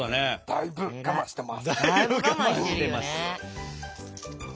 だいぶ我慢してるよね。